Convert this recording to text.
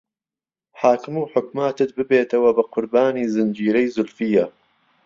حاکم و حوکماتت ببێتهوه به قوربانی زنجیرهی زولفييه